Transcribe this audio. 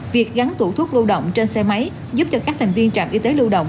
việc gắn tủ thuốc lưu động trên xe máy giúp cho các thành viên trạm y tế lưu động